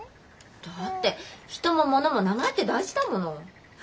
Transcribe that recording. だって人も物も名前って大事だもの。